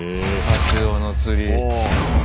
カツオの釣り。